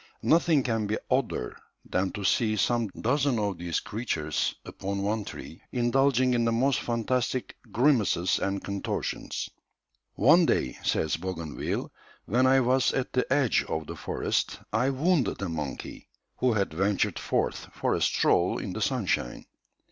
Nothing can be odder than to see some dozen of these creatures upon one tree indulging in the most fantastic grimaces and contortions. "One day," says Bougainville, "when I was at the edge of the forest, I wounded a monkey who had ventured forth for a stroll in the sunshine.